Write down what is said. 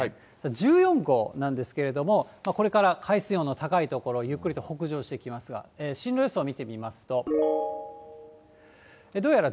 １４号なんですけれども、これから海水温の高い所をゆっくりと北上してきますが、進路予想を見てみますと、沖縄。